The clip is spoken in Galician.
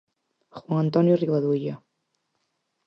Juan Antonio Rivadulla.